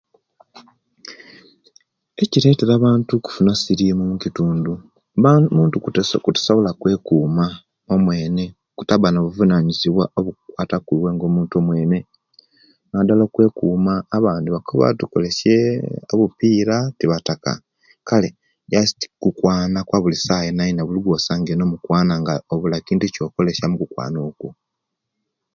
Ekiretera abantu okufuna sirimu mukitundu mu muntu kutasobola kwekuma omwene kutaba nabuvunayiziwa obukwata kwiwe omuntu omwene nadala okwekuma abandi bakoba tukolesye obupira tibataka kale just kukwana kwabulisawa yonayona buli gwo sangire nomukwana nga ebula kintu ekyokolesya imukukwana okwo